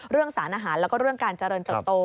เรื่องสารอาหารและก็เรื่องการเจริญเจิ่มโต